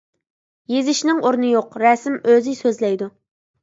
يېزىشنىڭ ئورنى يوق، رەسىم ئۆزى سۆزلەيدۇ.